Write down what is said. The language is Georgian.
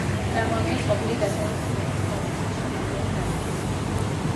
წარმოადგენს ყოფილი დასავლეთ ფინეთის პროვინციის შემადგენელ ნაწილს.